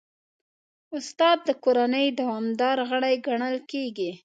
استاد د کورنۍ دوامدار غړی ګڼل کېږي.